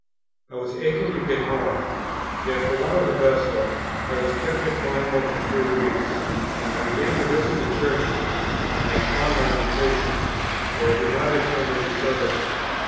I was aching to get home; yet for want of a vessel I was kept at Palermo for three weeks. I began to visit the Churches, and they calmed my impatience, though I did not attend any services.